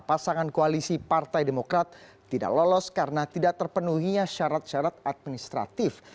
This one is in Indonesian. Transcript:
pasangan koalisi partai demokrat tidak lolos karena tidak terpenuhinya syarat syarat administratif